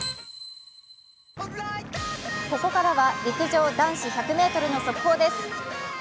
ここからは陸上男子１００ｍの速報です。